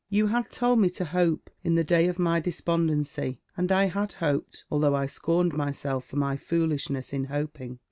You had told me to hope in the day of my despondency, and I had hoped, although I scorned myself for my foolishness in hoping.